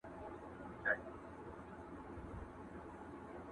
هرڅه بدل دي، د زمان رنګونه واوښتله؛